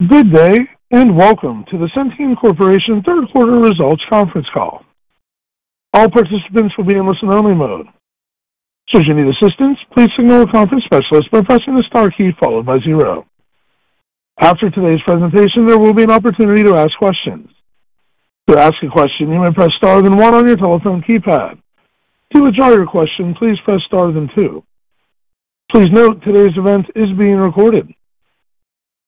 Good day, and welcome to the Centene Corporation third quarter results conference call. All participants will be in listen-only mode. Should you need assistance, please signal a conference specialist by pressing the star key followed by zero. After today's presentation, there will be an opportunity to ask questions. To ask a question, you may press star then one on your telephone keypad. To withdraw your question, please press star then two. Please note, today's event is being recorded.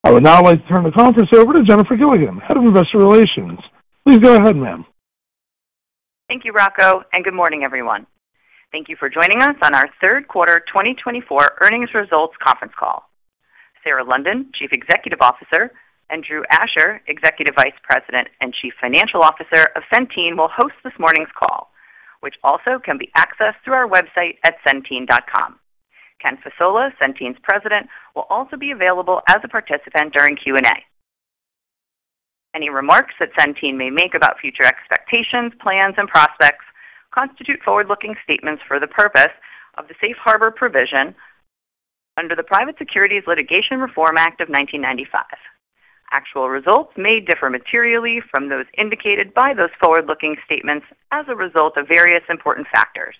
I would now like to turn the conference over to Jennifer Gilligan, Head of Investor Relations. Please go ahead, ma'am. Thank you, Rocco, and good morning, everyone. Thank you for joining us on our third quarter 2024 earnings results conference call. Sarah London, Chief Executive Officer, and Drew Asher, Executive Vice President and Chief Financial Officer of Centene, will host this morning's call, which also can be accessed through our website at centene.com. Ken Fasola, Centene's President, will also be available as a participant during Q&A. Any remarks that Centene may make about future expectations, plans, and prospects constitute forward-looking statements for the purpose of the Safe Harbor Provision under the Private Securities Litigation Reform Act of 1995. Actual results may differ materially from those indicated by those forward-looking statements as a result of various important factors,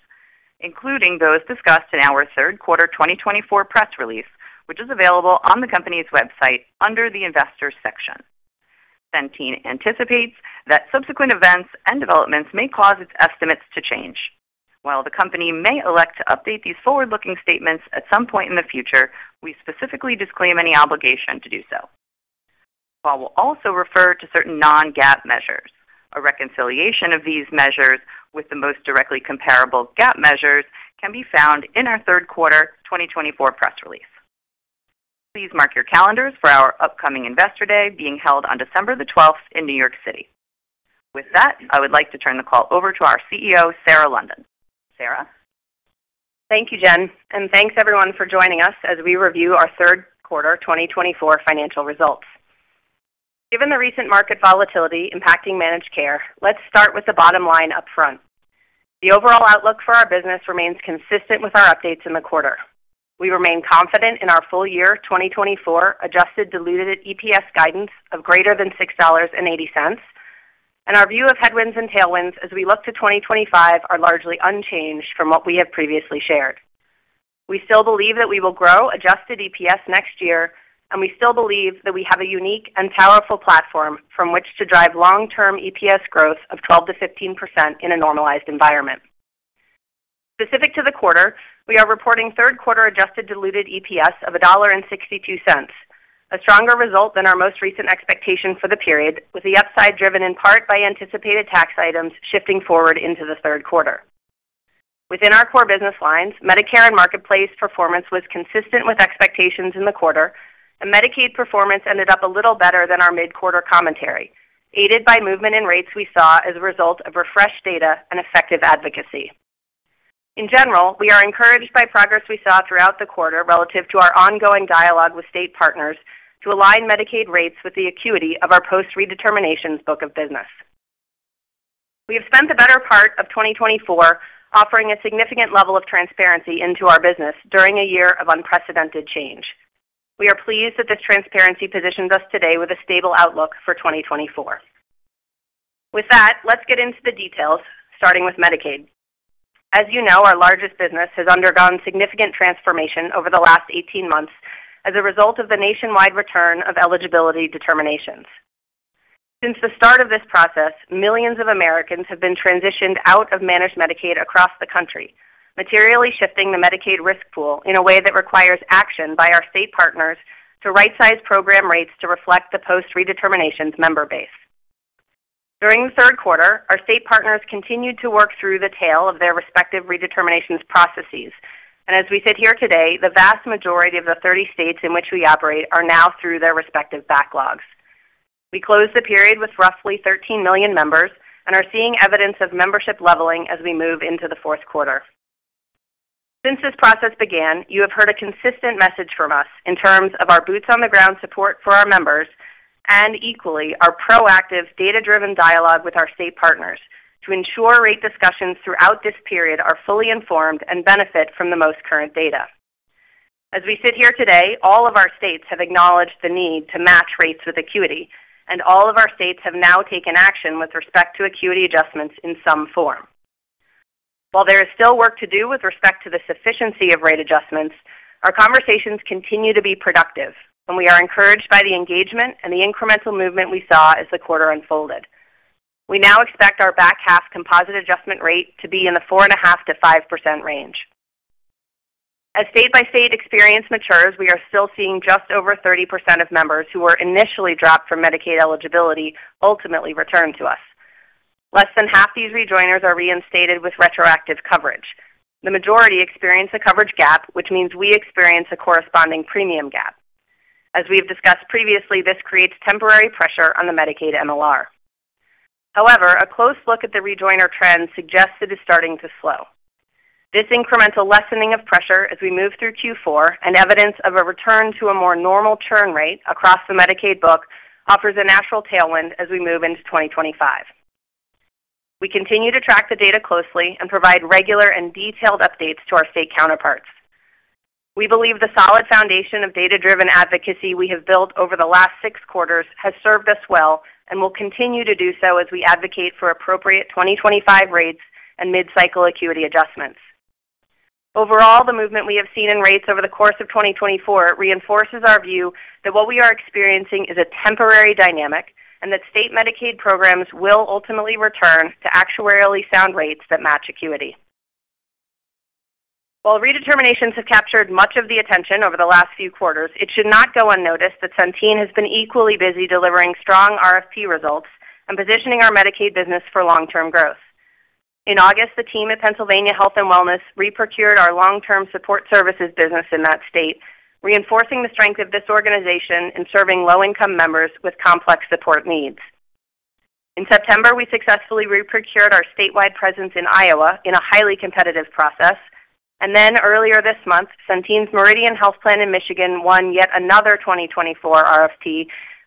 including those discussed in our third quarter 2024 press release, which is available on the company's website under the Investors section. Centene anticipates that subsequent events and developments may cause its estimates to change. While the company may elect to update these forward-looking statements at some point in the future, we specifically disclaim any obligation to do so. While we'll also refer to certain non-GAAP measures, a reconciliation of these measures with the most directly comparable GAAP measures can be found in our third quarter 2024 press release. Please mark your calendars for our upcoming Investor Day being held on December the twelfth in New York City. With that, I would like to turn the call over to our CEO, Sarah London. Sarah? Thank you, Jen, and thanks everyone for joining us as we review our third quarter 2024 financial results. Given the recent market volatility impacting managed care, let's start with the bottom line up front. The overall outlook for our business remains consistent with our updates in the quarter. We remain confident in our full year 2024 adjusted diluted EPS guidance of greater than $6.80, and our view of headwinds and tailwinds as we look to 2025 are largely unchanged from what we have previously shared. We still believe that we will grow adjusted EPS next year, and we still believe that we have a unique and powerful platform from which to drive long-term EPS growth of 12%-15% in a normalized environment. Specific to the quarter, we are reporting third quarter adjusted diluted EPS of $1.62, a stronger result than our most recent expectation for the period, with the upside driven in part by anticipated tax items shifting forward into the third quarter. Within our core business lines, Medicare and Marketplace performance was consistent with expectations in the quarter, and Medicaid performance ended up a little better than our mid-quarter commentary, aided by movement in rates we saw as a result of refreshed data and effective advocacy. In general, we are encouraged by progress we saw throughout the quarter relative to our ongoing dialogue with state partners to align Medicaid rates with the acuity of our post redeterminations book of business. We have spent the better part of 2024 offering a significant level of transparency into our business during a year of unprecedented change. We are pleased that this transparency positions us today with a stable outlook for 2024. With that, let's get into the details, starting with Medicaid. As you know, our largest business has undergone significant transformation over the last eighteen months as a result of the nationwide return of eligibility determinations. Since the start of this process, millions of Americans have been transitioned out of managed Medicaid across the country, materially shifting the Medicaid risk pool in a way that requires action by our state partners to right-size program rates to reflect the post-redeterminations member base. During the third quarter, our state partners continued to work through the tail of their respective redeterminations processes, and as we sit here today, the vast majority of the 30 states in which we operate are now through their respective backlogs. We closed the period with roughly thirteen million members and are seeing evidence of membership leveling as we move into the fourth quarter. Since this process began, you have heard a consistent message from us in terms of our boots-on-the-ground support for our members and equally, our proactive, data-driven dialogue with our state partners to ensure rate discussions throughout this period are fully informed and benefit from the most current data. As we sit here today, all of our states have acknowledged the need to match rates with acuity, and all of our states have now taken action with respect to acuity adjustments in some form. While there is still work to do with respect to the sufficiency of rate adjustments, our conversations continue to be productive, and we are encouraged by the engagement and the incremental movement we saw as the quarter unfolded. We now expect our back half composite adjustment rate to be in the 4.5%-5% range. As state-by-state experience matures, we are still seeing just over 30% of members who were initially dropped from Medicaid eligibility ultimately return to us. Less than half these rejoiners are reinstated with retroactive coverage. The majority experience a coverage gap, which means we experience a corresponding premium gap. As we've discussed previously, this creates temporary pressure on the Medicaid MLR. However, a close look at the rejoiner trend suggests it is starting to slow. This incremental lessening of pressure as we move through Q4 and evidence of a return to a more normal churn rate across the Medicaid book offers a natural tailwind as we move into 2025. We continue to track the data closely and provide regular and detailed updates to our state counterparts. We believe the solid foundation of data-driven advocacy we have built over the last six quarters has served us well and will continue to do so as we advocate for appropriate 2025 rates and mid-cycle acuity adjustments. Overall, the movement we have seen in rates over the course of 2024 reinforces our view that what we are experiencing is a temporary dynamic and that state Medicaid programs will ultimately return to actuarially sound rates that match acuity. While redeterminations have captured much of the attention over the last few quarters, it should not go unnoticed that Centene has been equally busy delivering strong RFP results and positioning our Medicaid business for long-term growth. In August, the team at Pennsylvania Health & Wellness reprocured our long-term services and supports business in that state, reinforcing the strength of this organization in serving low-income members with complex support needs. In September, we successfully reprocured our statewide presence in Iowa in a highly competitive process, and then earlier this month, Centene's Meridian Health Plan in Michigan won yet another 2024 RFP,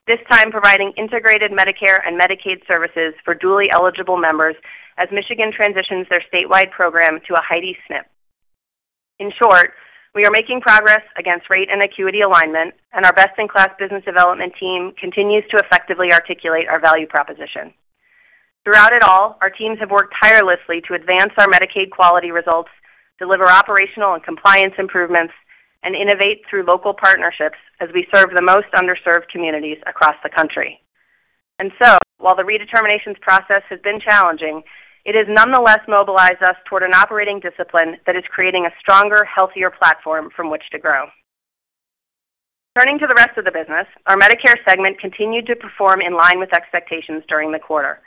this time providing integrated Medicare and Medicaid services for dual eligible members as Michigan transitions their statewide program to a HIDE SNP. In short, we are making progress against rate and acuity alignment, and our best-in-class business development team continues to effectively articulate our value proposition. Throughout it all, our teams have worked tirelessly to advance our Medicaid quality results, deliver operational and compliance improvements, and innovate through local partnerships as we serve the most underserved communities across the country. And so, while the redeterminations process has been challenging, it has nonetheless mobilized us toward an operating discipline that is creating a stronger, healthier platform from which to grow. Turning to the rest of the business, our Medicare segment continued to perform in line with expectations during the quarter.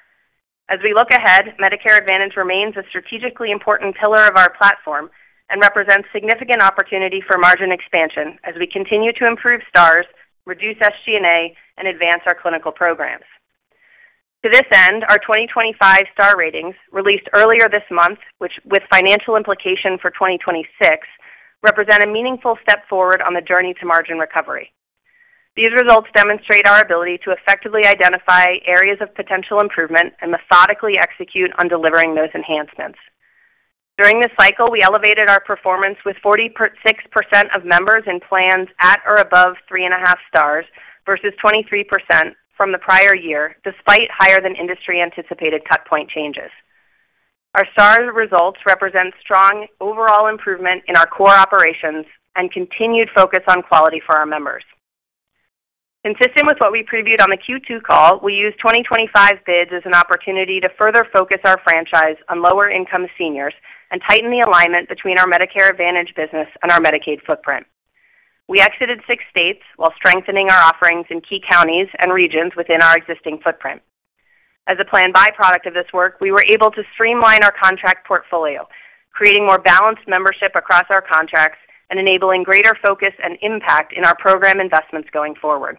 As we look ahead, Medicare Advantage remains a strategically important pillar of our platform and represents significant opportunity for margin expansion as we continue to improve Stars, reduce SG&A, and advance our clinical programs. To this end, our 2025 Star Ratings, released earlier this month, which with financial implication for 2026, represent a meaningful step forward on the journey to margin recovery. These results demonstrate our ability to effectively identify areas of potential improvement and methodically execute on delivering those enhancements. During this cycle, we elevated our performance with 46% of members in plans at or above three and a half Stars, versus 23% from the prior year, despite higher than industry anticipated cut point changes. Our Star results represent strong overall improvement in our core operations and continued focus on quality for our members. Consistent with what we previewed on the Q2 call, we used 2025 bids as an opportunity to further focus our franchise on lower income seniors and tighten the alignment between our Medicare Advantage business and our Medicaid footprint. We exited six states while strengthening our offerings in key counties and regions within our existing footprint. As a planned byproduct of this work, we were able to streamline our contract portfolio, creating more balanced membership across our contracts and enabling greater focus and impact in our program investments going forward.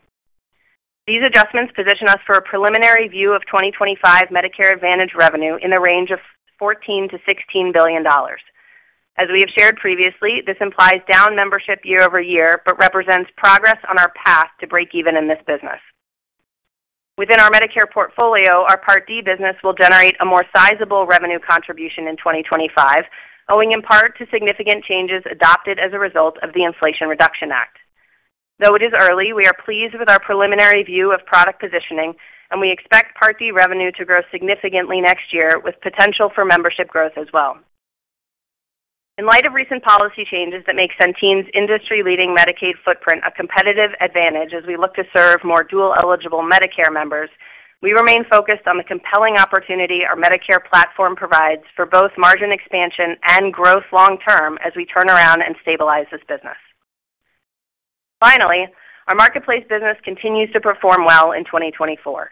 These adjustments position us for a preliminary view of 2025 Medicare Advantage revenue in the range of $14-$16 billion. As we have shared previously, this implies down membership year over year, but represents progress on our path to breakeven in this business. Within our Medicare portfolio, our Part D business will generate a more sizable revenue contribution in 2025, owing in part to significant changes adopted as a result of the Inflation Reduction Act. Though it is early, we are pleased with our preliminary view of product positioning, and we expect Part D revenue to grow significantly next year, with potential for membership growth as well. In light of recent policy changes that make Centene's industry-leading Medicaid footprint a competitive advantage as we look to serve more dual-eligible Medicare members, we remain focused on the compelling opportunity our Medicare platform provides for both margin expansion and growth long-term as we turn around and stabilize this business. Finally, our Marketplace business continues to perform well in 2024.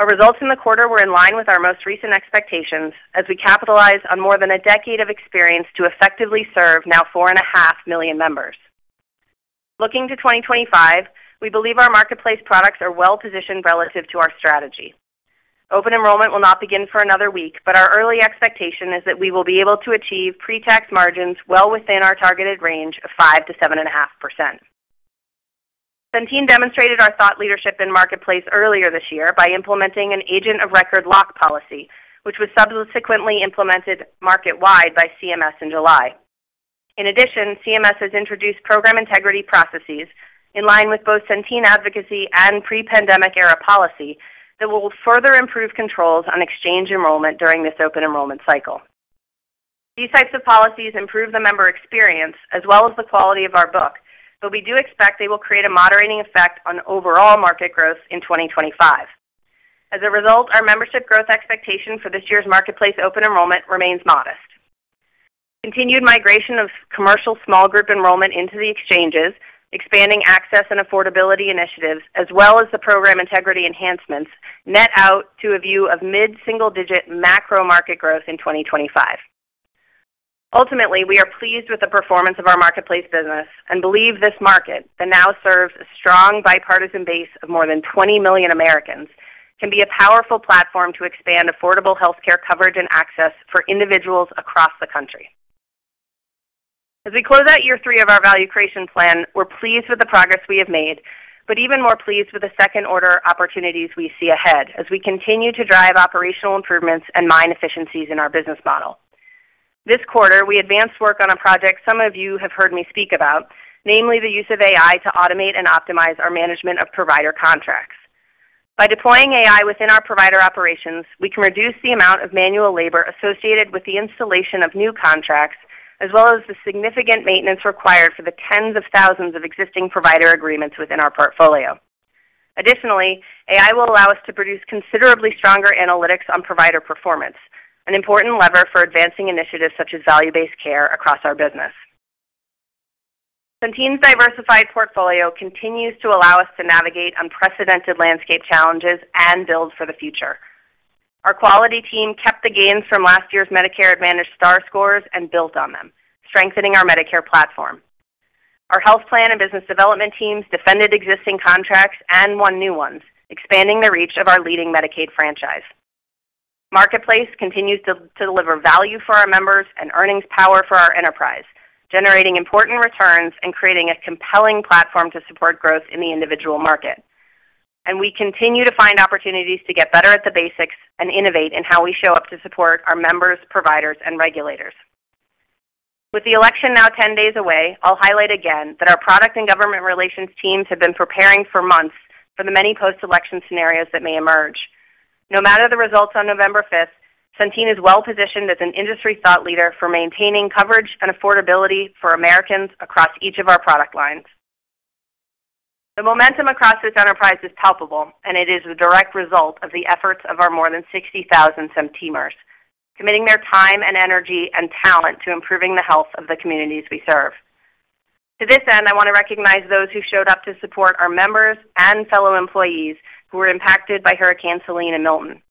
Our results in the quarter were in line with our most recent expectations as we capitalize on more than a decade of experience to effectively serve now 4.5 million members. Looking to 2025, we believe our Marketplace products are well positioned relative to our strategy. Open Enrollment will not begin for another week, but our early expectation is that we will be able to achieve pre-tax margins well within our targeted range of 5%-7.5%. Centene demonstrated our thought leadership in Marketplace earlier this year by implementing an Agent of Record lock policy, which was subsequently implemented market-wide by CMS in July. In addition, CMS has introduced program integrity processes in line with both Centene advocacy and pre-pandemic era policy that will further improve controls on exchange enrollment during this Open Enrollment cycle. These types of policies improve the member experience as well as the quality of our book, though we do expect they will create a moderating effect on overall market growth in 2025. As a result, our membership growth expectation for this year's Marketplace open enrollment remains modest. Continued migration of commercial small group enrollment into the exchanges, expanding access and affordability initiatives, as well as the program integrity enhancements, net out to a view of mid-single digit macro market growth in 2025. Ultimately, we are pleased with the performance of our Marketplace business and believe this market, that now serves a strong bipartisan base of more than twenty million Americans, can be a powerful platform to expand affordable healthcare coverage and access for individuals across the country.... As we close out year three of our value creation plan, we're pleased with the progress we have made, but even more pleased with the second-order opportunities we see ahead as we continue to drive operational improvements and mine efficiencies in our business model. This quarter, we advanced work on a project some of you have heard me speak about, namely the use of AI to automate and optimize our management of provider contracts. By deploying AI within our provider operations, we can reduce the amount of manual labor associated with the installation of new contracts, as well as the significant maintenance required for the tens of thousands of existing provider agreements within our portfolio. Additionally, AI will allow us to produce considerably stronger analytics on provider performance, an important lever for advancing initiatives such as value-based care across our business. Centene's diversified portfolio continues to allow us to navigate unprecedented landscape challenges and build for the future. Our quality team kept the gains from last year's Medicare Advantage star scores and built on them, strengthening our Medicare platform. Our health plan and business development teams defended existing contracts and won new ones, expanding the reach of our leading Medicaid franchise. Marketplace continues to deliver value for our members and earnings power for our enterprise, generating important returns and creating a compelling platform to support growth in the individual market. And we continue to find opportunities to get better at the basics and innovate in how we show up to support our members, providers, and regulators. With the election now ten days away, I'll highlight again that our product and government relations teams have been preparing for months for the many post-election scenarios that may emerge. No matter the results on November fifth, Centene is well positioned as an industry thought leader for maintaining coverage and affordability for Americans across each of our product lines. The momentum across this enterprise is palpable, and it is the direct result of the efforts of our more than 60,000 Centeneers, committing their time and energy and talent to improving the health of the communities we serve. To this end, I want to recognize those who showed up to support our members and fellow employees who were impacted by Hurricane Helene and Milton.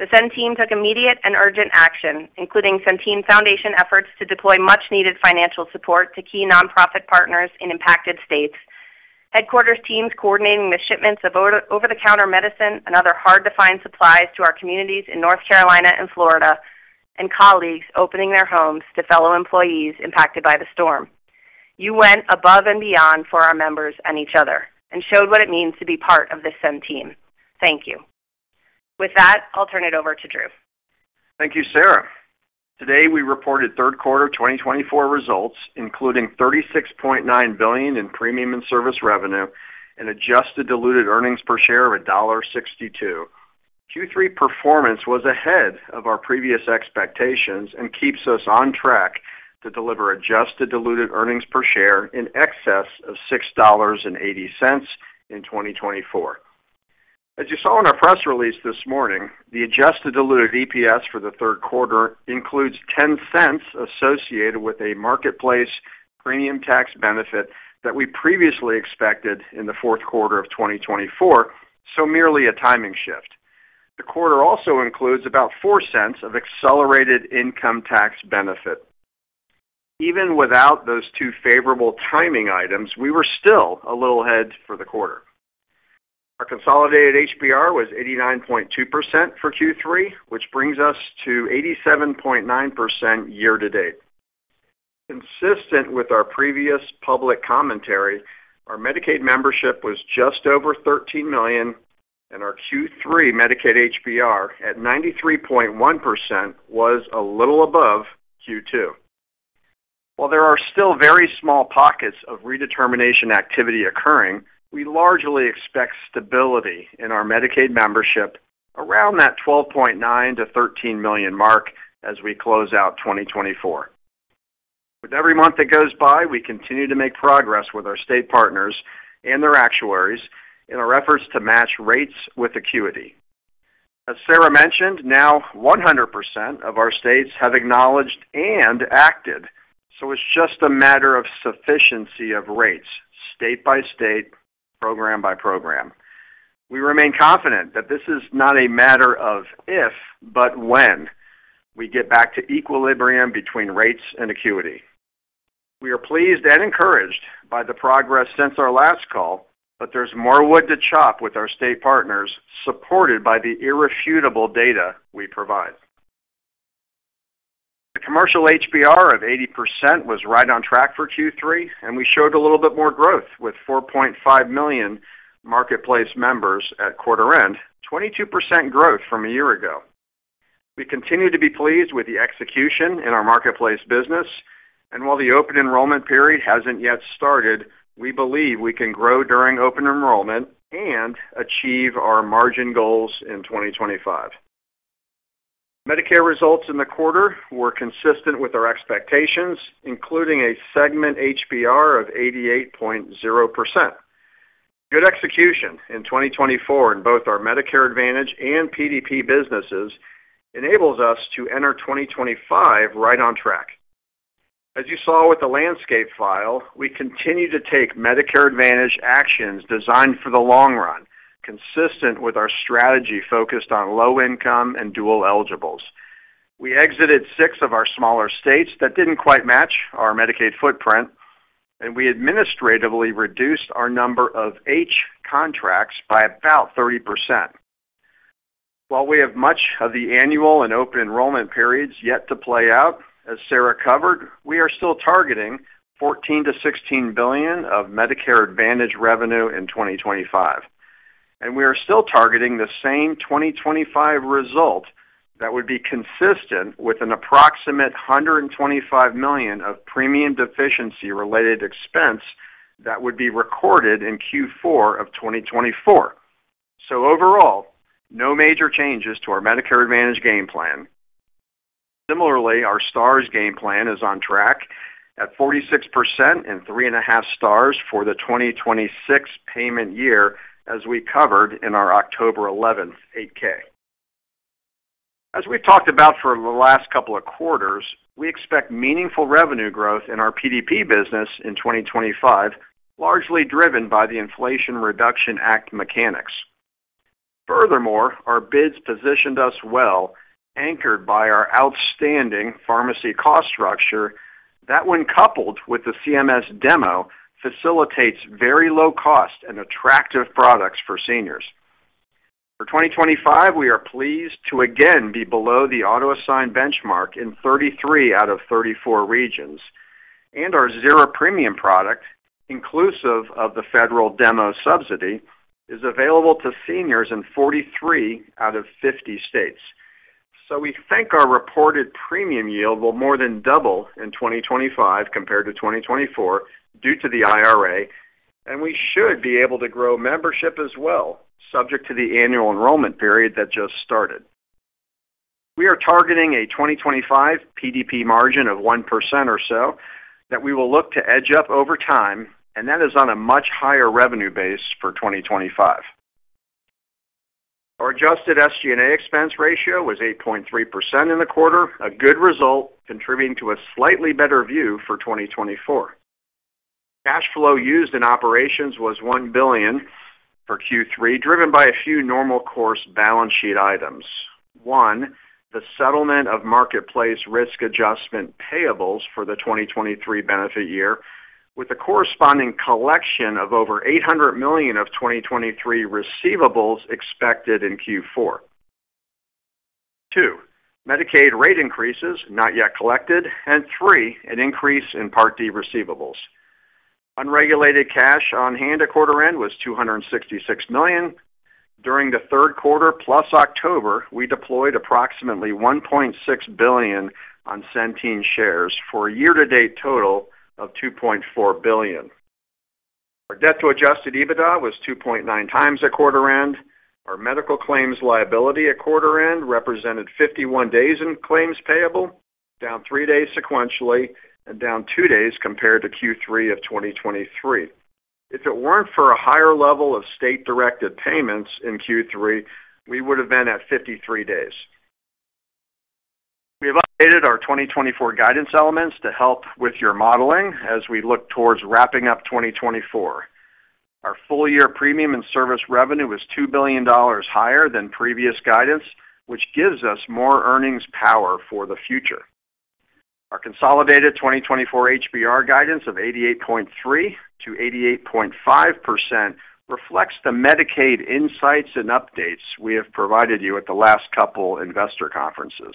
Centene took immediate and urgent action, including Centene Foundation efforts to deploy much-needed financial support to key nonprofit partners in impacted states, headquarters teams coordinating the shipments of over-the-counter medicine and other hard-to-find supplies to our communities in North Carolina and Florida, and colleagues opening their homes to fellow employees impacted by the storm. You went above and beyond for our members and each other, and showed what it means to be part of Centene. Thank you. With that, I'll turn it over to Drew. Thank you, Sarah. Today, we reported third quarter 2024 results, including $36.9 billion in premium and service revenue and adjusted diluted earnings per share of $1.62. Q3 performance was ahead of our previous expectations and keeps us on track to deliver adjusted diluted earnings per share in excess of $6.80 in 2024. As you saw in our press release this morning, the adjusted diluted EPS for the third quarter includes $0.10 associated with a Marketplace premium tax benefit that we previously expected in the fourth quarter of 2024, so merely a timing shift. The quarter also includes about $0.04 of accelerated income tax benefit. Even without those two favorable timing items, we were still a little ahead for the quarter. Our consolidated HBR was 89.2% for Q3, which brings us to 87.9% year to date. Consistent with our previous public commentary, our Medicaid membership was just over 13 million, and our Q3 Medicaid HBR, at 93.1%, was a little above Q2. While there are still very small pockets of redetermination activity occurring, we largely expect stability in our Medicaid membership around that 12.9 to 13 million mark as we close out 2024. With every month that goes by, we continue to make progress with our state partners and their actuaries in our efforts to match rates with acuity. As Sarah mentioned, now 100% of our states have acknowledged and acted, so it's just a matter of sufficiency of rates, state by state, program by program. We remain confident that this is not a matter of if, but when we get back to equilibrium between rates and acuity. We are pleased and encouraged by the progress since our last call, but there's more wood to chop with our state partners, supported by the irrefutable data we provide. The commercial HBR of 80% was right on track for Q3, and we showed a little bit more growth with 4.5 million Marketplace members at quarter end, 22% growth from a year ago. We continue to be pleased with the execution in our Marketplace business, and while the open enrollment period hasn't yet started, we believe we can grow during open enrollment and achieve our margin goals in 2025. Medicare results in the quarter were consistent with our expectations, including a segment HBR of 88.0%. Good execution in 2024 in both our Medicare Advantage and PDP businesses enables us to enter 2025 right on track. As you saw with the landscape file, we continue to take Medicare Advantage actions designed for the long run, consistent with our strategy focused on low income and dual eligibles. We exited six of our smaller states that didn't quite match our Medicaid footprint, and we administratively reduced our number of H contracts by about 30%. While we have much of the annual and open enrollment periods yet to play out, as Sarah covered, we are still targeting $14-16 billion of Medicare Advantage revenue in 2025, and we are still targeting the same 2025 result that would be consistent with an approximate $125 million of premium deficiency related expense that would be recorded in Q4 of 2024. So overall, no major changes to our Medicare Advantage game plan. Similarly, our Stars game plan is on track at 46% and 3.5 Stars for the 2026 payment year, as we covered in our October eleventh, 8-K. As we've talked about for the last couple of quarters, we expect meaningful revenue growth in our PDP business in 2025, largely driven by the Inflation Reduction Act mechanics. Furthermore, our bids positioned us well, anchored by our outstanding pharmacy cost structure, that when coupled with the CMS demo, facilitates very low cost and attractive products for seniors. For 2025, we are pleased to again be below the auto-assigned benchmark in 33 out of 34 regions, and our zero premium product, inclusive of the federal demo subsidy, is available to seniors in 43 out of 50 states. So we think our reported premium yield will more than double in 2025 compared to 2024 due to the IRA, and we should be able to grow membership as well, subject to the annual enrollment period that just started. We are targeting a 2025 PDP margin of 1% or so, that we will look to edge up over time, and that is on a much higher revenue base for 2025. Our adjusted SG&A expense ratio was 8.3% in the quarter, a good result, contributing to a slightly better view for 2024. Cash flow used in operations was $1 billion for Q3, driven by a few normal course balance sheet items. One, the settlement of Marketplace risk adjustment payables for the 2023 benefit year, with a corresponding collection of over $800 million of 2023 receivables expected in Q4. Two, Medicaid rate increases, not yet collected, and three, an increase in Part D receivables. Unrestricted cash on hand at quarter-end was $266 million. During the third quarter, plus October, we deployed approximately $1.6 billion on Centene shares for a year-to-date total of $2.4 billion. Our debt to adjusted EBITDA was 2.9 times at quarter-end. Our medical claims liability at quarter-end represented 51 days in claims payable, down 3 days sequentially and down 2 days compared to Q3 of 2023. If it weren't for a higher level of state directed payments in Q3, we would have been at 53 days. We've updated our 2024 guidance elements to help with your modeling as we look towards wrapping up 2024. Our full year premium and service revenue was $2 billion higher than previous guidance, which gives us more earnings power for the future. Our consolidated 2024 HBR guidance of 88.3%-88.5% reflects the Medicaid insights and updates we have provided you at the last couple investor conferences.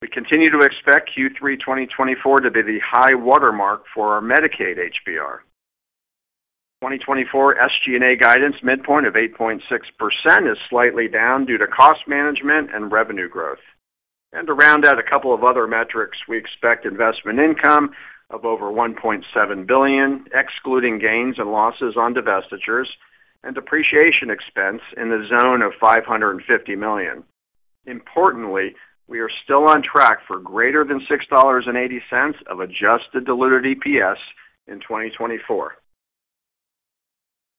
We continue to expect Q3 2024 to be the high watermark for our Medicaid HBR. 2024 SG&A guidance midpoint of 8.6% is slightly down due to cost management and revenue growth. And to round out a couple of other metrics, we expect investment income of over $1.7 billion, excluding gains and losses on divestitures, and depreciation expense in the zone of $550 million. Importantly, we are still on track for greater than $6.80 of adjusted diluted EPS in 2024.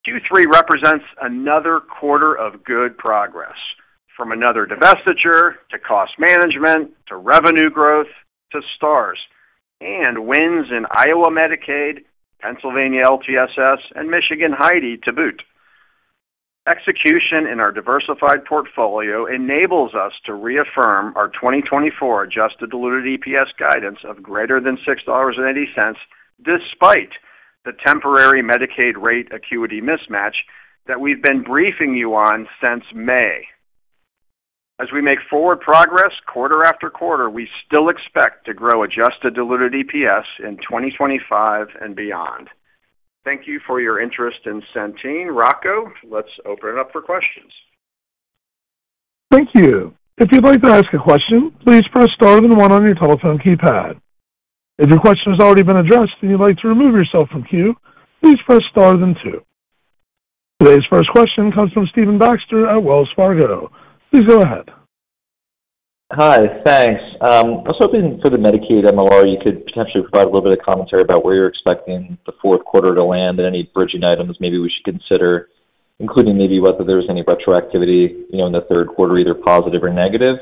Q3 represents another quarter of good progress, from another divestiture to cost management, to revenue growth, to Stars, and wins in Iowa Medicaid, Pennsylvania LTSS, and Michigan HIDE to boot. Execution in our diversified portfolio enables us to reaffirm our 2024 adjusted diluted EPS guidance of greater than $6.80, despite the temporary Medicaid rate acuity mismatch that we've been briefing you on since May. As we make forward progress quarter after quarter, we still expect to grow adjusted diluted EPS in 2025 and beyond. Thank you for your interest in Centene. Rocco, let's open it up for questions. Thank you. If you'd like to ask a question, please press star then one on your telephone keypad. If your question has already been addressed and you'd like to remove yourself from queue, please press star then two. Today's first question comes from Stephen Baxter at Wells Fargo. Please go ahead. Hi, thanks. I was hoping for the Medicaid MLR, you could potentially provide a little bit of commentary about where you're expecting the fourth quarter to land and any bridging items maybe we should consider, including maybe whether there was any retroactivity, you know, in the third quarter, either positive or negative.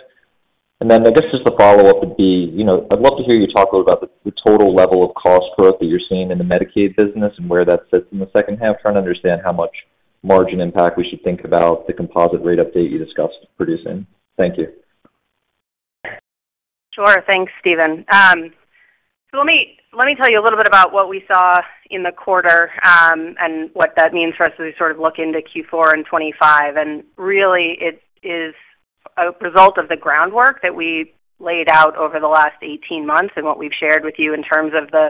And then I guess just a follow-up would be, you know, I'd love to hear you talk about the total level of cost growth that you're seeing in the Medicaid business and where that sits in the second half. Trying to understand how much margin impact we should think about the composite rate update you discussed producing. Thank you.... Sure. Thanks, Stephen. So let me tell you a little bit about what we saw in the quarter, and what that means for us as we sort of look into Q4 and 2025. And really, it is a result of the groundwork that we laid out over the last eighteen months and what we've shared with you in terms of the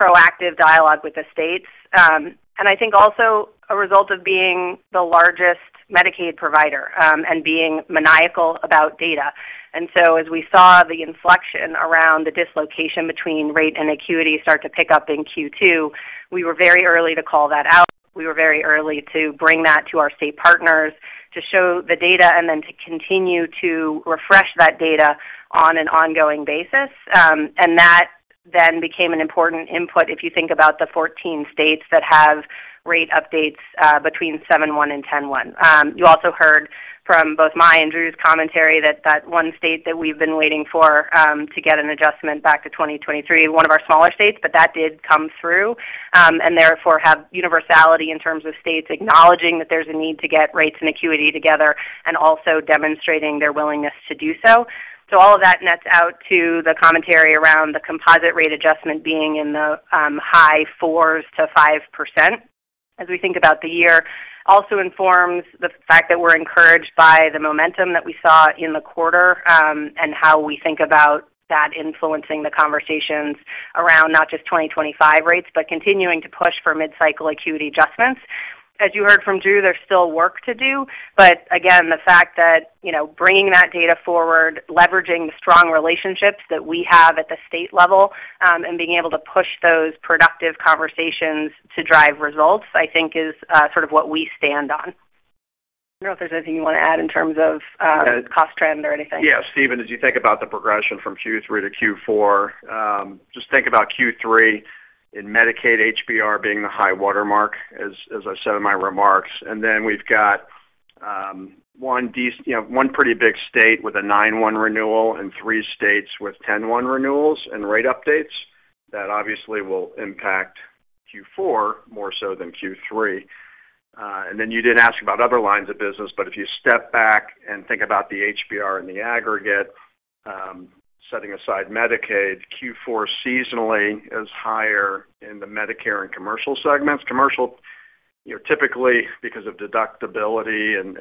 proactive dialogue with the states. And I think also a result of being the largest Medicaid provider, and being maniacal about data. And so as we saw the inflection around the dislocation between rate and acuity start to pick up in Q2, we were very early to call that out. We were very early to bring that to our state partners, to show the data and then to continue to refresh that data on an ongoing basis. And that then became an important input if you think about the 14 states that have rate updates between 7-1 and 10-1. You also heard from both my and Drew's commentary that that one state that we've been waiting for to get an adjustment back to 2023, one of our smaller states, but that did come through, and therefore have universality in terms of states acknowledging that there's a need to get rates and acuity together and also demonstrating their willingness to do so. So all of that nets out to the commentary around the composite rate adjustment being in the high fours to 5%. As we think about the year, also informs the fact that we're encouraged by the momentum that we saw in the quarter, and how we think about that influencing the conversations around not just 2025 rates, but continuing to push for mid-cycle acuity adjustments. As you heard from Drew, there's still work to do. But again, the fact that, you know, bringing that data forward, leveraging the strong relationships that we have at the state level, and being able to push those productive conversations to drive results, I think is, sort of what we stand on. I don't know if there's anything you want to add in terms of, cost trend or anything. Yeah, Stephen, as you think about the progression from Q3 to Q4, just think about Q3 in Medicaid, HBR being the high watermark, as I said in my remarks. And then we've got, you know, one pretty big state with a 9/1 renewal and three states with 10/1 renewals and rate updates. That obviously will impact Q4 more so than Q3. And then you didn't ask about other lines of business, but if you step back and think about the HBR in the aggregate, setting aside Medicaid, Q4 seasonally is higher in the Medicare and commercial segments. Commercial, you know, typically because of deductibility and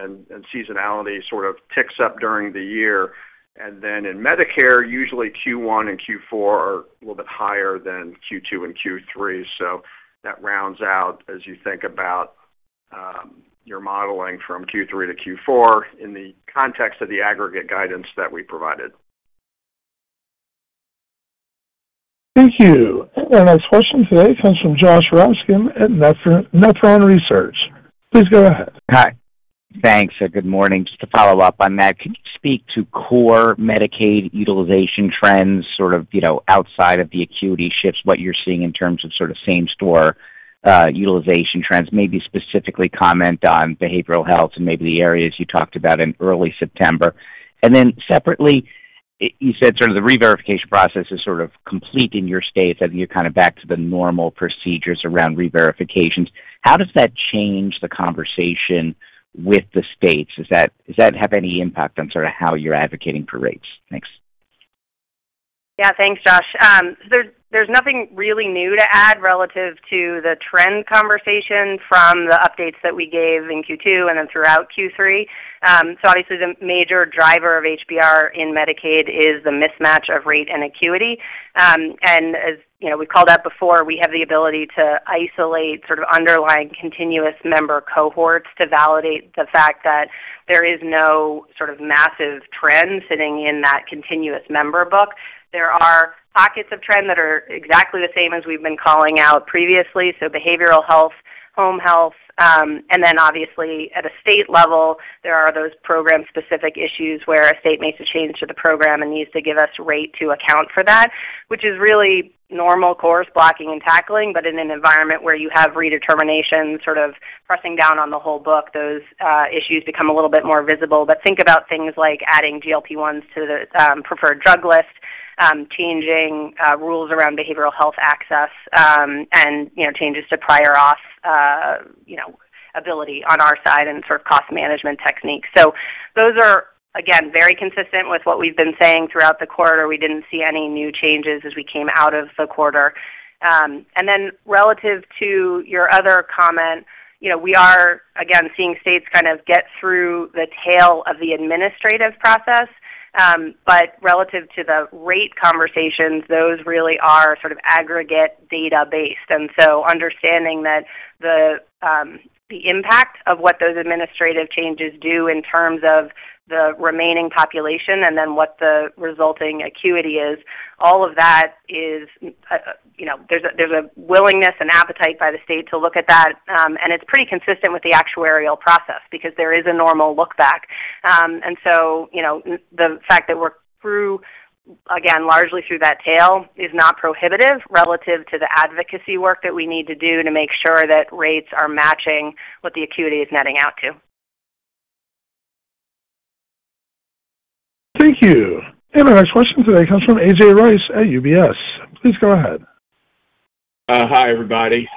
seasonality, sort of ticks up during the year. And then in Medicare, usually Q1 and Q4 are a little bit higher than Q2 and Q3. That rounds out as you think about your modeling from Q3 to Q4 in the context of the aggregate guidance that we provided. Thank you. And our next question today comes from Josh Raskin at Nephron Research. Please go ahead. Hi. Thanks, and good morning. Just to follow up on that, could you speak to core Medicaid utilization trends, sort of, you know, outside of the acuity shifts, what you're seeing in terms of sort of same store utilization trends? Maybe specifically comment on behavioral health and maybe the areas you talked about in early September. And then separately, you said sort of the reverification process is sort of complete in your states, and you're kind of back to the normal procedures around reverifications. How does that change the conversation with the states? Does that have any impact on sort of how you're advocating for rates? Thanks. Yeah, thanks, Josh. So there's nothing really new to add relative to the trend conversation from the updates that we gave in Q2 and then throughout Q3. So obviously, the major driver of HBR in Medicaid is the mismatch of rate and acuity. And as you know, we called out before, we have the ability to isolate sort of underlying continuous member cohorts to validate the fact that there is no sort of massive trend sitting in that continuous member book. There are pockets of trend that are exactly the same as we've been calling out previously. So behavioral health, home health, and then obviously at a state level, there are those program-specific issues where a state makes a change to the program and needs to give us rate to account for that, which is really normal course blocking and tackling. But in an environment where you have redetermination sort of pressing down on the whole book, those issues become a little bit more visible. But think about things like adding GLP-1s to the preferred drug list, changing rules around behavioral health access, and, you know, changes to prior auth, you know, ability on our side and sort of cost management techniques. So those are, again, very consistent with what we've been saying throughout the quarter. We didn't see any new changes as we came out of the quarter. And then relative to your other comment, you know, we are, again, seeing states kind of get through the tail of the administrative process. But relative to the rate conversations, those really are sort of aggregate data-based. And so, understanding that the impact of what those administrative changes do in terms of the remaining population and then what the resulting acuity is, all of that is, you know, there's a willingness and appetite by the state to look at that, and it's pretty consistent with the actuarial process because there is a normal look back. And so, you know, the fact that we're through, again, largely through that tail, is not prohibitive relative to the advocacy work that we need to do to make sure that rates are matching what the acuity is netting out to. Thank you. And our next question today comes from A.J. Rice at UBS. Please go ahead.... Hi, everybody.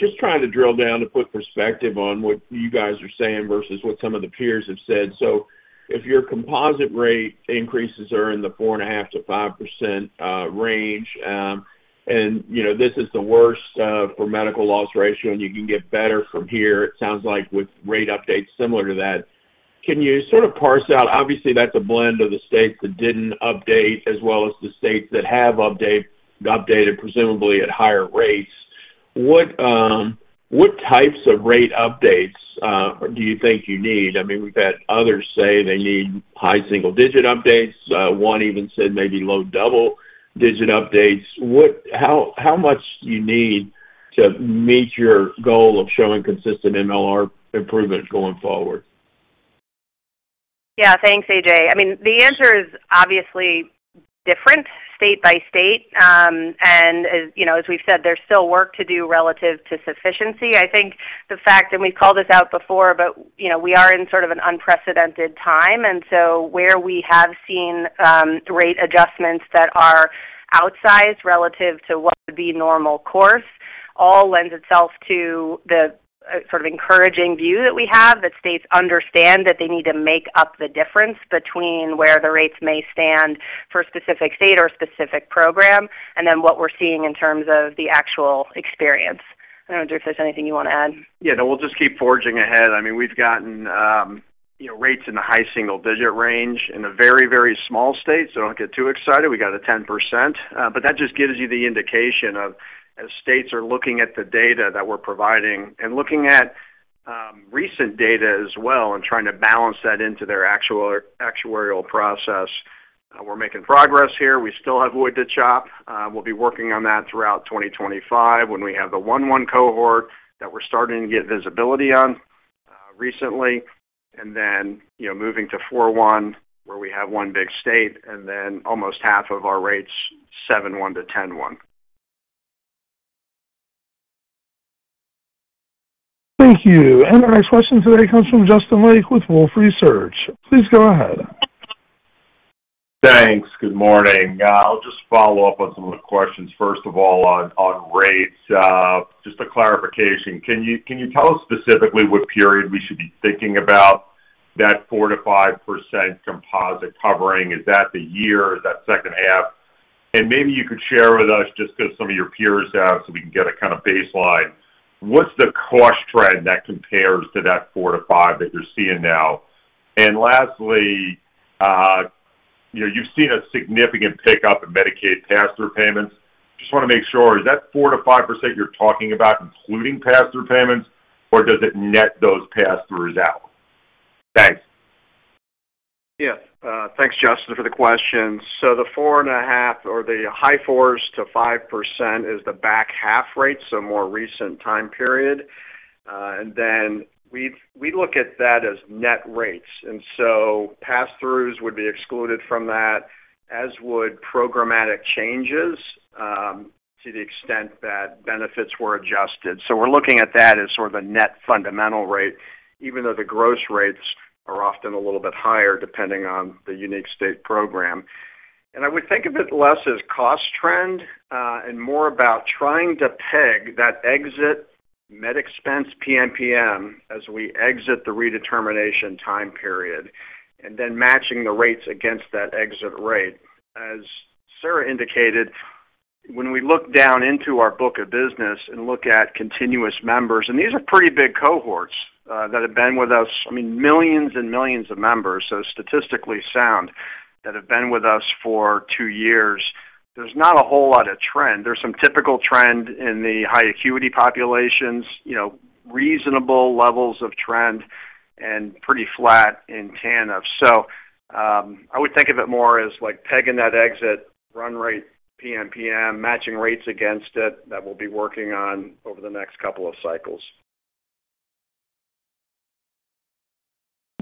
Just trying to drill down to put perspective on what you guys are saying versus what some of the peers have said. So if your composite rate increases are in the 4.5%-5% range, and, you know, this is the worst for medical loss ratio, and you can get better from here, it sounds like with rate updates similar to that. Can you sort of parse out, obviously, that's a blend of the states that didn't update as well as the states that have updated, presumably at higher rates. What types of rate updates do you think you need? I mean, we've had others say they need high single-digit updates. One even said maybe low double-digit updates. How much do you need to meet your goal of showing consistent MLR improvement going forward? Yeah, thanks, A.J. I mean, the answer is obviously different state by state, and, you know, as we've said, there's still work to do relative to sufficiency. I think the fact, and we've called this out before, but, you know, we are in sort of an unprecedented time, and so where we have seen, rate adjustments that are outsized relative to what would be normal course, all lends itself to the sort of encouraging view that we have, that states understand that they need to make up the difference between where the rates may stand for a specific state or a specific program, and then what we're seeing in terms of the actual experience. I don't know if there's anything you want to add. Yeah, no, we'll just keep forging ahead. I mean, we've gotten, you know, rates in the high single-digit range in a very, very small state, so don't get too excited. We got a 10%. But that just gives you the indication of as states are looking at the data that we're providing and looking at, recent data as well and trying to balance that into their actual actuarial process. We're making progress here. We still have wood to chop. We'll be working on that throughout 2025, when we have the 1/1 cohort that we're starting to get visibility on, recently, and then, you know, moving to 4/1, where we have one big state, and then almost half of our rates, 7/1 to 10/1. Thank you, and our next question today comes from Justin Lake with Wolfe Research. Please go ahead. Thanks. Good morning. I'll just follow up on some of the questions. First of all, on rates. Just a clarification. Can you tell us specifically what period we should be thinking about that 4%-5% composite covering? Is that the year, is that second half? And maybe you could share with us, just because some of your peers have, so we can get a kind of baseline, what's the cost trend that compares to that 4%-5% that you're seeing now? And lastly, you know, you've seen a significant pickup in Medicaid pass-through payments. Just want to make sure, is that 4%-5% you're talking about including pass-through payments, or does it net those pass-throughs out? Thanks. Yeah. Thanks, Justin, for the question. So the 4.5% or the high 4s to 5% is the back half rate, so more recent time period. And then we look at that as net rates, and so pass-throughs would be excluded from that, as would programmatic changes, to the extent that benefits were adjusted. So we're looking at that as sort of a net fundamental rate, even though the gross rates are often a little bit higher, depending on the unique state program. And I would think of it less as cost trend, and more about trying to peg that exit med expense PMPM as we exit the redetermination time period, and then matching the rates against that exit rate. As Sarah indicated, when we look down into our book of business and look at continuous members, and these are pretty big cohorts, that have been with us, I mean, millions and millions of members, so statistically sound, that have been with us for two years. There's not a whole lot of trend. There's some typical trend in the high acuity populations, you know, reasonable levels of trend and pretty flat in TANF. So, I would think of it more as like pegging that exit run rate PMPM, matching rates against it, that we'll be working on over the next couple of cycles.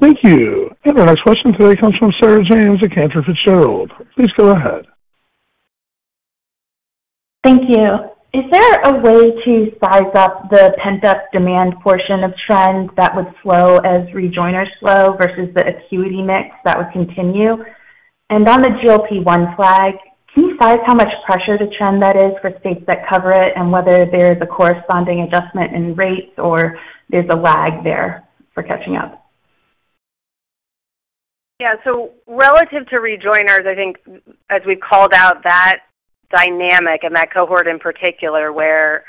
Thank you. And our next question today comes from Sarah James at Cantor Fitzgerald. Please go ahead. Thank you. Is there a way to size up the pent-up demand portion of trends that would slow as rejoiners slow versus the acuity mix that would continue? And on the GLP-1 flag, can you size how much pressure to trend that is for states that cover it and whether there's a corresponding adjustment in rates or there's a lag there for catching up? Yeah, so relative to rejoiners, I think as we've called out, that dynamic and that cohort in particular, where,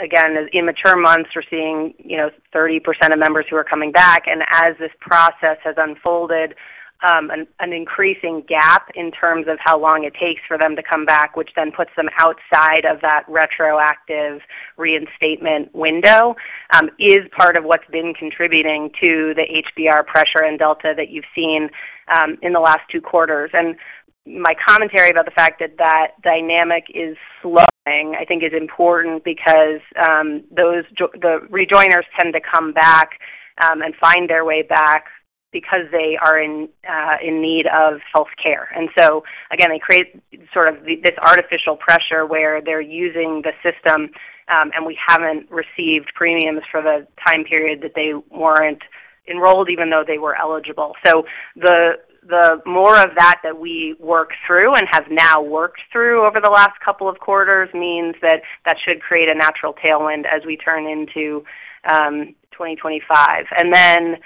again, as immature months, we're seeing, you know, 30% of members who are coming back, and as this process has unfolded, an increasing gap in terms of how long it takes for them to come back, which then puts them outside of that retroactive reinstatement window, is part of what's been contributing to the HBR pressure and delta that you've seen in the last two quarters. And my commentary about the fact that that dynamic is slowing, I think is important because, those jo-- the rejoiners tend to come back and find their way back because they are in need of healthcare. And so again, they create sort of this artificial pressure where they're using the system, and we haven't received premiums for the time period that they weren't enrolled even though they were eligible. So the more of that that we work through and have now worked through over the last couple of quarters means that that should create a natural tailwind as we turn into 2025. And then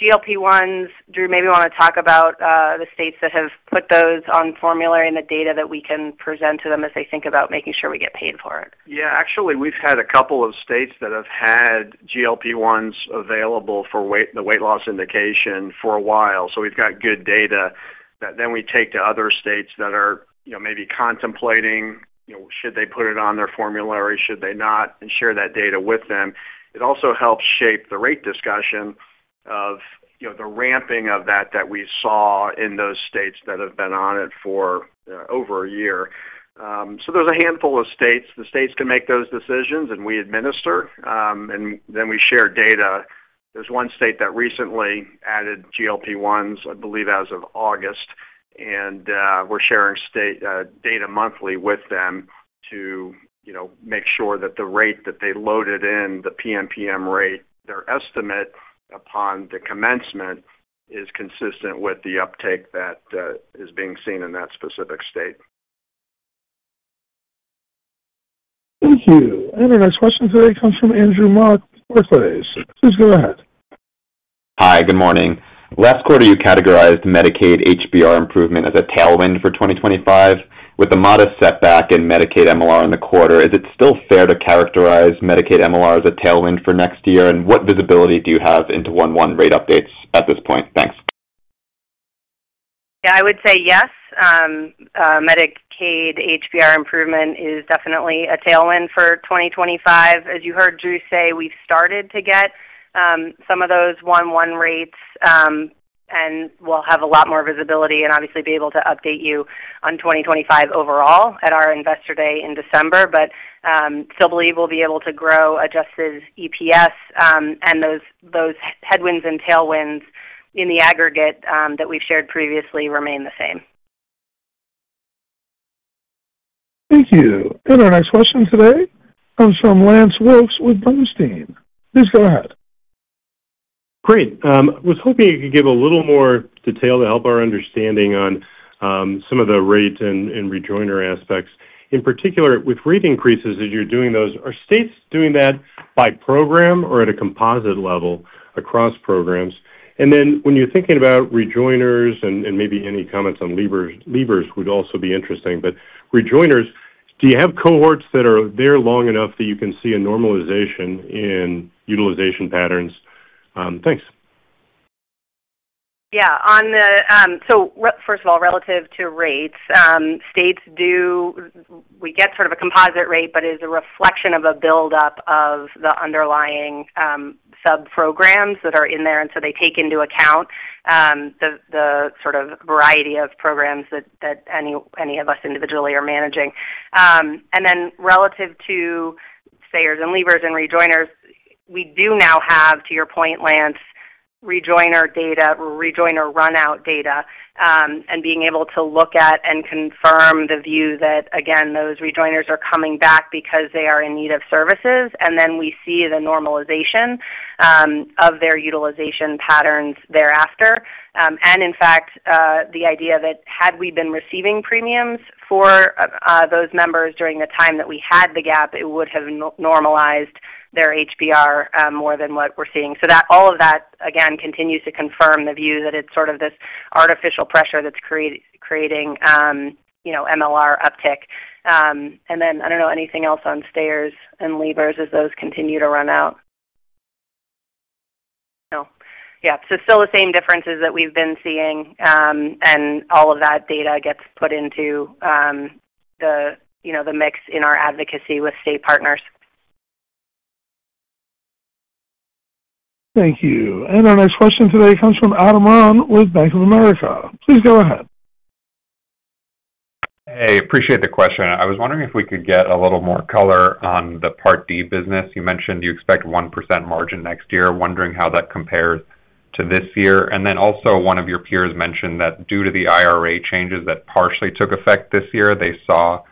GLP-1s, Drew, maybe you want to talk about the states that have put those on formulary and the data that we can present to them as they think about making sure we get paid for it. Yeah, actually, we've had a couple of states that have had GLP-1s available for weight, the weight loss indication for a while. So we've got good data that then we take to other states that are, you know, maybe contemplating, you know, should they put it on their formulary, should they not, and share that data with them. It also helps shape the rate discussion of, you know, the ramping of that that we saw in those states that have been on it for over a year. So there's a handful of states. The states can make those decisions, and we administer, and then we share data. There's one state that recently added GLP-1s, I believe, as of August, and we're sharing state data monthly with them to, you know, make sure that the rate that they loaded in, the PMPM rate, their estimate upon the commencement, is consistent with the uptake that is being seen in that specific state. Thank you. And our next question today comes from Andrew Mok, Barclays. Please go ahead. Hi, good morning. Last quarter, you categorized Medicaid HBR improvement as a tailwind for 2025. With a modest setback in Medicaid MLR in the quarter, is it still fair to characterize Medicaid MLR as a tailwind for next year? And what visibility do you have into 1/1 rate updates at this point? Thanks. Yeah, I would say yes. Medicaid HBR improvement is definitely a tailwind for 2025. As you heard Drew say, we've started to get some of those one-one rates, and we'll have a lot more visibility and obviously be able to update you on 2025 overall at our Investor Day in December. But, still believe we'll be able to grow adjusted EPS, and those headwinds and tailwinds in the aggregate, that we've shared previously remain the same. Thank you. And our next question today comes from Lance Wilkes with Bernstein. Please go ahead. Great. Was hoping you could give a little more detail to help our understanding on some of the rate and rejoiner aspects. In particular, with rate increases, as you're doing those, are states doing that by program or at a composite level across programs? And then when you're thinking about rejoiners and maybe any comments on leavers would also be interesting, but rejoiners, do you have cohorts that are there long enough that you can see a normalization in utilization patterns? Thanks. Yeah, on the, so first of all, relative to rates, states do. We get sort of a composite rate, but it is a reflection of a buildup of the underlying, subprograms that are in there, and so they take into account, the sort of variety of programs that any of us individually are managing. And then relative to stayers and leavers and rejoiners, we do now have, to your point, Lance, rejoiner data, rejoiner run out data, and being able to look at and confirm the view that, again, those rejoiners are coming back because they are in need of services, and then we see the normalization, of their utilization patterns thereafter. And in fact, the idea that had we been receiving premiums for those members during the time that we had the gap, it would have normalized their HBR more than what we're seeing. So that all of that, again, continues to confirm the view that it's sort of this artificial pressure that's creating, you know, MLR uptick. And then I don't know, anything else on stayers and leavers as those continue to run out? No. Yeah. So still the same differences that we've been seeing, and all of that data gets put into the, you know, the mix in our advocacy with state partners. Thank you. And our next question today comes from Adam Ron with Bank of America. Please go ahead. Hey, appreciate the question. I was wondering if we could get a little more color on the Part D business. You mentioned you expect 1% margin next year. I'm wondering how that compares to this year. And then also, one of your peers mentioned that due to the IRA changes that partially took effect this year, they saw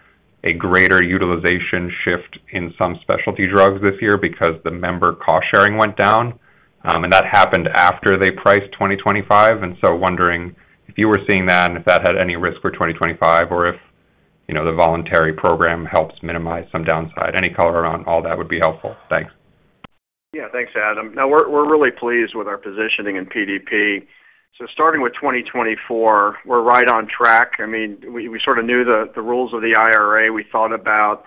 a greater utilization shift in some specialty drugs this year because the member cost-sharing went down, and that happened after they priced 2025. And so wondering if you were seeing that and if that had any risk for 2025 or if, you know, the voluntary program helps minimize some downside. Any color around all that would be helpful. Thanks. Yeah, thanks, Adam. Now, we're really pleased with our positioning in PDP. So starting with 2024, we're right on track. I mean, we sort of knew the rules of the IRA. We thought about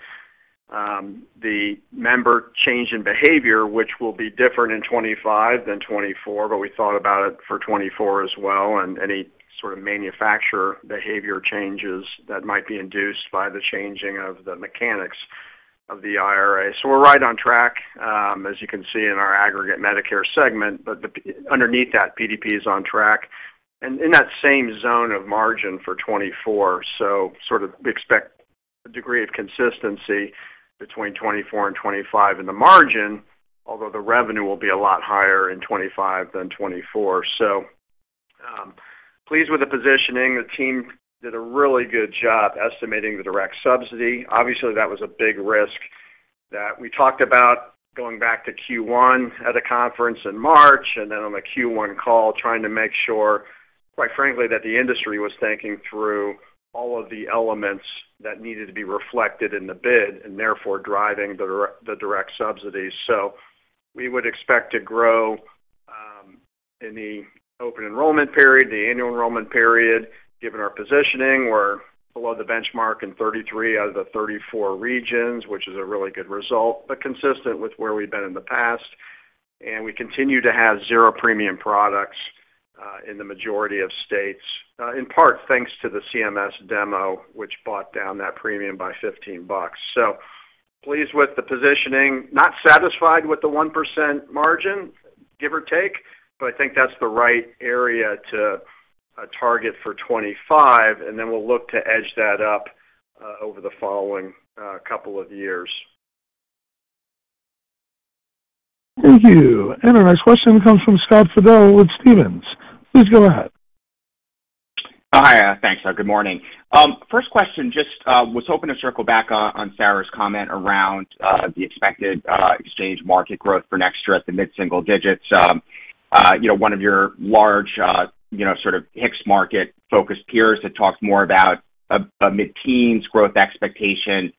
the member change in behavior, which will be different in twenty-five than twenty-four, but we thought about it for twenty-four as well, and any sort of manufacturer behavior changes that might be induced by the changing of the mechanics of the IRA. So we're right on track, as you can see in our aggregate Medicare segment, but underneath that, PDP is on track and in that same zone of margin for twenty-four. So sort of expect a degree of consistency between twenty-four and twenty-five in the margin, although the revenue will be a lot higher in twenty-five than twenty-four. So... Pleased with the positioning. The team did a really good job estimating the direct subsidy. Obviously, that was a big risk that we talked about going back to Q1 at a conference in March, and then on the Q1 call, trying to make sure, quite frankly, that the industry was thinking through all of the elements that needed to be reflected in the bid and therefore driving the direct subsidies. So we would expect to grow in the open enrollment period, the annual enrollment period, given our positioning. We're below the benchmark in 33 out of the 34 regions, which is a really good result, but consistent with where we've been in the past. And we continue to have zero premium products in the majority of states, in part, thanks to the CMS demo, which bought down that premium by $15. So pleased with the positioning, not satisfied with the 1% margin, give or take, but I think that's the right area to target for 2025, and then we'll look to edge that up over the following couple of years. Thank you. And our next question comes from Scott Fidel with Stephens. Please go ahead. Oh, hi, thanks. Good morning. First question, just, was hoping to circle back on, on Sarah's comment around, the expected, exchange market growth for next year at the mid-single digits. You know, one of your large, you know, sort of HIX market-focused peers had talked more about a, a mid-teens growth expectation,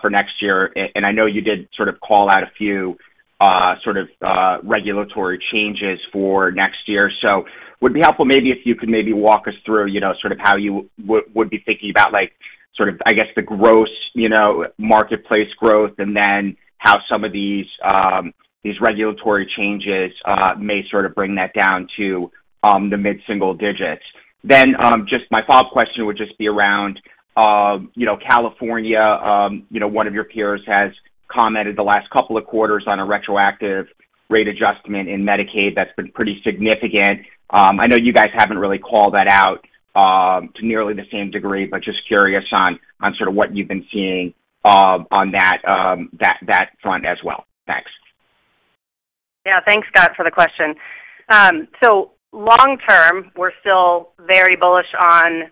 for next year, and I know you did sort of call out a few, sort of, regulatory changes for next year. So would it be helpful maybe if you could maybe walk us through, you know, sort of how you would, be thinking about like, sort of, I guess, the gross, you know, Marketplace growth, and then how some of these, these regulatory changes, may sort of bring that down to, the mid-single digits? Then, just my follow-up question would just be around, you know, California, you know, one of your peers has commented the last couple of quarters on a retroactive rate adjustment in Medicaid that's been pretty significant. I know you guys haven't really called that out to nearly the same degree, but just curious on sort of what you've been seeing on that front as well. Thanks. Yeah, thanks, Scott, for the question. So long term, we're still very bullish on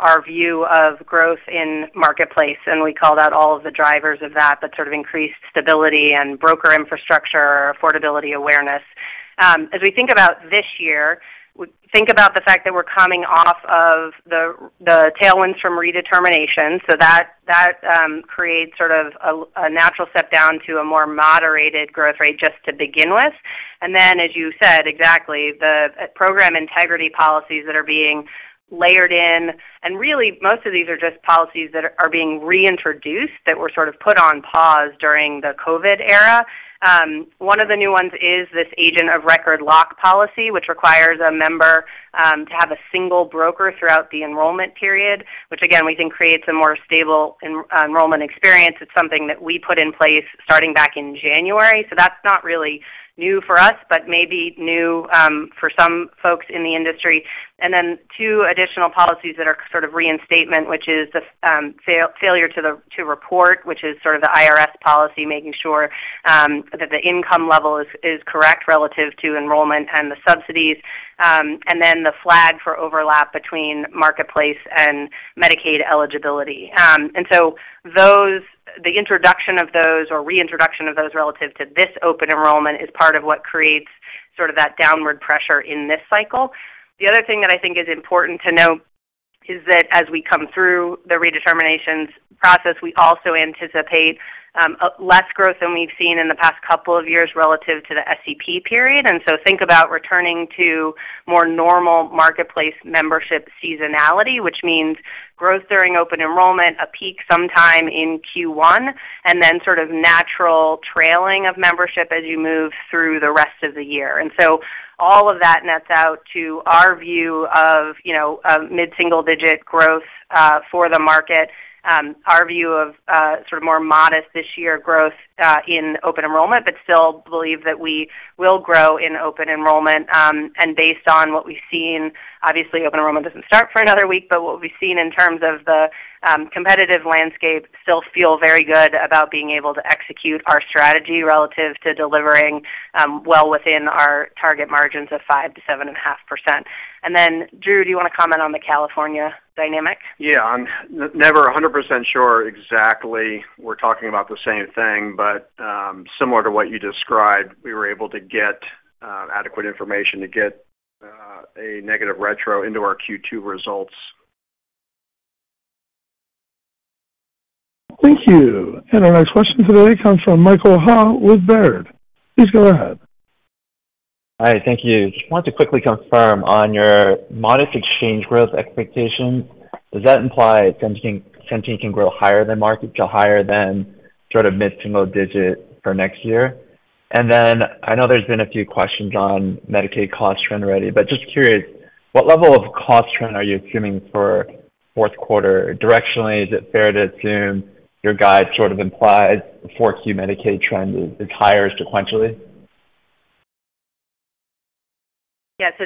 our view of growth in Marketplace, and we called out all of the drivers of that, that sort of increased stability and broker infrastructure, affordability awareness. As we think about this year, we think about the fact that we're coming off of the tailwinds from redetermination, so that creates sort of a natural step down to a more moderated growth rate just to begin with. And then, as you said, exactly, the program integrity policies that are being layered in, and really, most of these are just policies that are being reintroduced, that were sort of put on pause during the COVID era. One of the new ones is this Agent of Record lock policy, which requires a member to have a single broker throughout the enrollment period, which again, we think creates a more stable enrollment experience. It's something that we put in place starting back in January, so that's not really new for us, but maybe new for some folks in the industry. Then two additional policies that are sort of reinstatement, which is the failure to report, which is sort of the IRS policy, making sure that the income level is correct relative to enrollment and the subsidies, and then the flag for overlap between Marketplace and Medicaid eligibility. And so those, the introduction of those or reintroduction of those relative to this open enrollment is part of what creates sort of that downward pressure in this cycle. The other thing that I think is important to note is that as we come through the redeterminations process, we also anticipate less growth than we've seen in the past couple of years relative to the SEP period. And so think about returning to more normal Marketplace membership seasonality, which means growth during open enrollment, a peak sometime in Q1, and then sort of natural trailing of membership as you move through the rest of the year. And so all of that nets out to our view of, you know, mid-single-digit growth for the market. Our view of sort of more modest this year growth in open enrollment, but still believe that we will grow in open enrollment. And based on what we've seen, obviously, open enrollment doesn't start for another week, but what we've seen in terms of the competitive landscape, still feel very good about being able to execute our strategy relative to delivering well within our target margins of 5%-7.5%. Then, Drew, do you wanna comment on the California dynamic? Yeah, I'm never a hundred percent sure exactly we're talking about the same thing, but, similar to what you described, we were able to get adequate information to get a negative retro into our Q2 results. Thank you. And our next question today comes from Michael Ha with Baird. Please go ahead. Hi, thank you. Just wanted to quickly confirm on your modest exchange growth expectation, does that imply Centene, Centene can grow higher than market to higher than sort of mid-single digit for next year? And then I know there's been a few questions on Medicaid cost trend already, but just curious, what level of cost trend are you assuming for fourth quarter? Directionally, is it fair to assume your guide sort of implies the Q4 Medicaid trend is higher sequentially? Yeah, so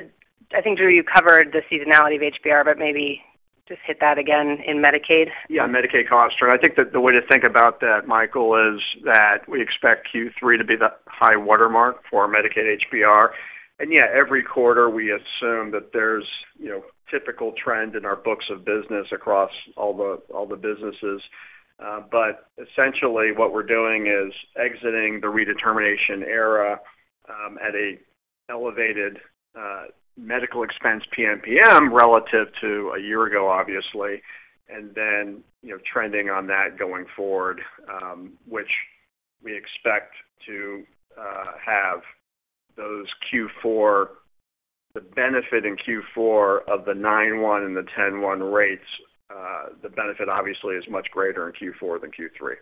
I think, Drew, you covered the seasonality of HBR, but maybe just hit that again in Medicaid? Yeah, Medicaid costs. And I think that the way to think about that, Michael, is that we expect Q3 to be the high watermark for Medicaid HBR. And yeah, every quarter, we assume that there's, you know, typical trend in our books of business across all the, all the businesses. But essentially, what we're doing is exiting the redetermination era, at a elevated, medical expense PMPM, relative to a year ago, obviously, and then, you know, trending on that going forward, which we expect to, have those Q4... The benefit in Q4 of the 9/1 and the 10/1 rates, the benefit obviously is much greater in Q4 than Q3.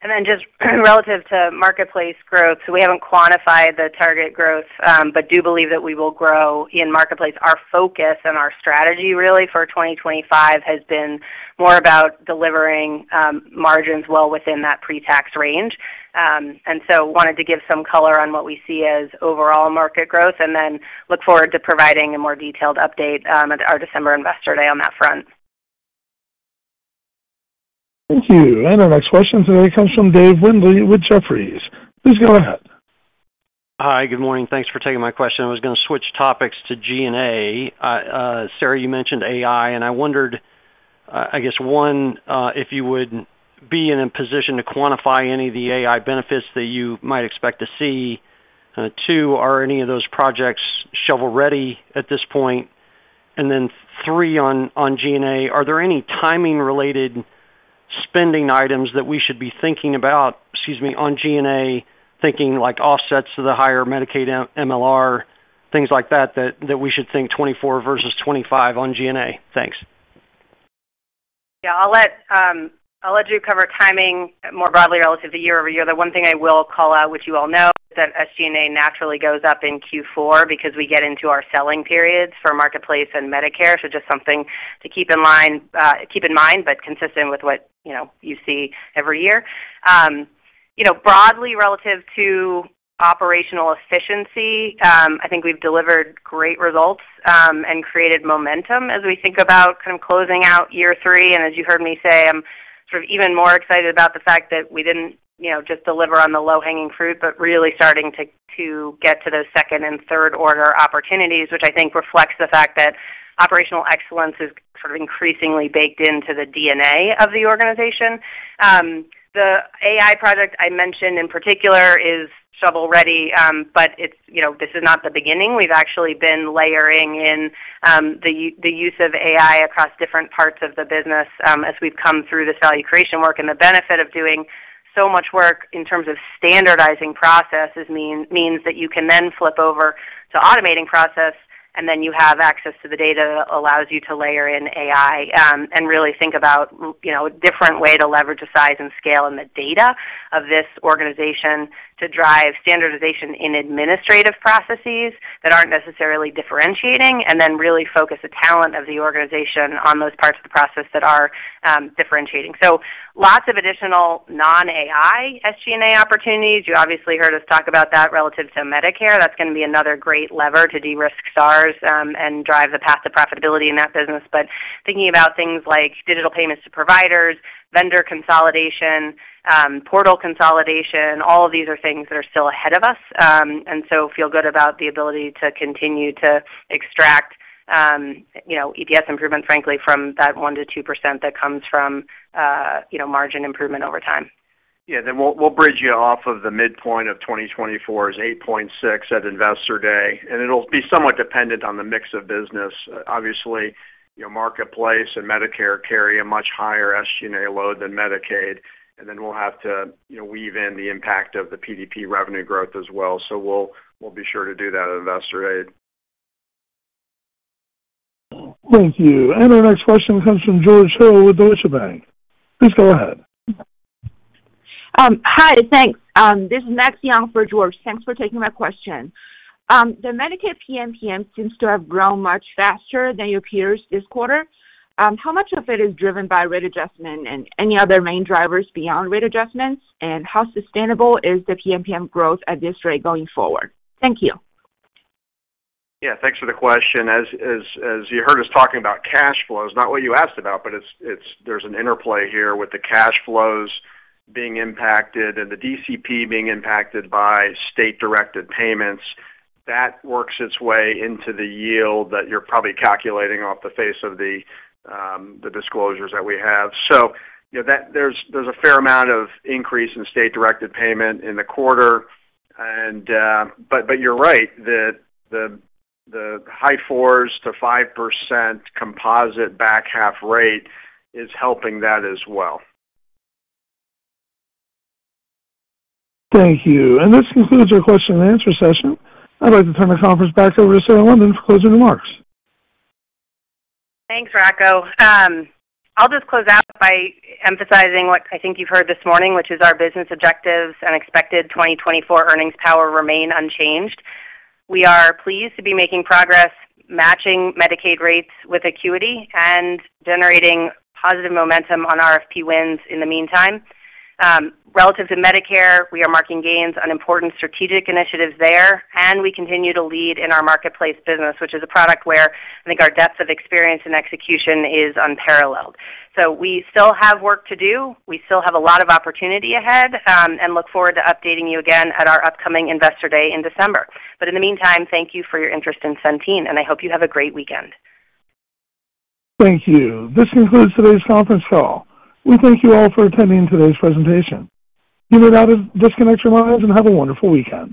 And then just relative to Marketplace growth, we haven't quantified the target growth, but do believe that we will grow in Marketplace. Our focus and our strategy really for 2025 has been more about delivering margins well within that pre-tax range. And so wanted to give some color on what we see as overall market growth, and then look forward to providing a more detailed update at our December Investor Day on that front. Thank you. And our next question today comes from Dave Windley with Jefferies. Please go ahead. Hi, good morning. Thanks for taking my question. I was gonna switch topics to G&A. Sarah, you mentioned AI, and I wondered, I guess, one, if you would be in a position to quantify any of the AI benefits that you might expect to see? Two, are any of those projects shovel-ready at this point? And then three, on G&A, are there any timing-related spending items that we should be thinking about, excuse me, on G&A, thinking, like, offsets to the higher Medicaid MLR, things like that, that we should think 2024 versus 2025 on G&A? Thanks. Yeah, I'll let you cover timing more broadly relative to year over year. The one thing I will call out, which you all know, is that SG&A naturally goes up in Q4 because we get into our selling periods for Marketplace and Medicare. So just something to keep in mind, but consistent with what, you know, you see every year. You know, broadly, relative to operational efficiency, I think we've delivered great results, and created momentum as we think about kind of closing out year three. As you heard me say, I'm sort of even more excited about the fact that we didn't, you know, just deliver on the low-hanging fruit, but really starting to get to those second- and third-order opportunities, which I think reflects the fact that operational excellence is sort of increasingly baked into the DNA of the organization. The AI project I mentioned in particular is shovel-ready, but it's, you know, this is not the beginning. We've actually been layering in the use of AI across different parts of the business as we've come through this value creation work. And the benefit of doing so much work in terms of standardizing processes means that you can then flip over to automating process, and then you have access to the data, allows you to layer in AI, and really think about, you know, a different way to leverage the size and scale and the data of this organization to drive standardization in administrative processes that aren't necessarily differentiating, and then really focus the talent of the organization on those parts of the process that are differentiating. So lots of additional non-AI SG&A opportunities. You obviously heard us talk about that relative to Medicare. That's gonna be another great lever to de-risk Stars, and drive the path to profitability in that business. But thinking about things like digital payments to providers, vendor consolidation, portal consolidation, all of these are things that are still ahead of us. And so feel good about the ability to continue to extract, you know, EPS improvement, frankly, from that 1-2% that comes from, you know, margin improvement over time. Yeah, then we'll bridge you off of the midpoint of 2024 is 8.6 at Investor Day, and it'll be somewhat dependent on the mix of business. Obviously, your Marketplace and Medicare carry a much higher SG&A load than Medicaid, and then we'll have to, you know, weave in the impact of the PDP revenue growth as well. So we'll be sure to do that at Investor Day. Thank you. And our next question comes from George Hill with Deutsche Bank. Please go ahead. Hi, thanks. This is Max Young for George. Thanks for taking my question. The Medicaid PMPM seems to have grown much faster than your peers this quarter. How much of it is driven by rate adjustment and any other main drivers beyond rate adjustments? And how sustainable is the PMPM growth at this rate going forward? Thank you. Yeah, thanks for the question. As you heard us talking about cash flows, not what you asked about, but it's. There's an interplay here with the cash flows being impacted and the DCP being impacted by state-directed payments. That works its way into the yield that you're probably calculating off the face of the disclosures that we have. So you know, that. There's a fair amount of increase in state-directed payment in the quarter, and, but you're right, the high fours to 5% composite back half rate is helping that as well. Thank you. And this concludes our question and answer session. I'd like to turn the conference back over to Sarah London for closing remarks. Thanks, Rocco. I'll just close out by emphasizing what I think you've heard this morning, which is our business objectives and expected 2024 earnings power remain unchanged. We are pleased to be making progress, matching Medicaid rates with acuity and generating positive momentum on RFP wins in the meantime. Relative to Medicare, we are marking gains on important strategic initiatives there, and we continue to lead in our Marketplace business, which is a product where I think our depth of experience and execution is unparalleled. So we still have work to do. We still have a lot of opportunity ahead, and look forward to updating you again at our upcoming Investor Day in December. But in the meantime, thank you for your interest in Centene, and I hope you have a great weekend. Thank you. This concludes today's conference call. We thank you all for attending today's presentation. You may now disconnect your lines and have a wonderful weekend.